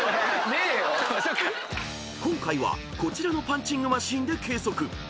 ［今回はこちらのパンチングマシーンで計測］